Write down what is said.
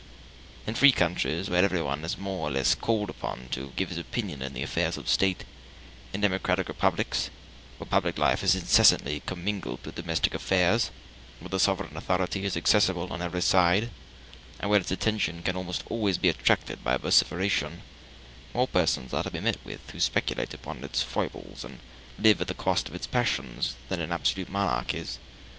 In free countries, where everyone is more or less called upon to give his opinion in the affairs of state; in democratic republics, where public life is incessantly commingled with domestic affairs, where the sovereign authority is accessible on every side, and where its attention can almost always be attracted by vociferation, more persons are to be met with who speculate upon its foibles and live at the cost of its passions than in absolute monarchies.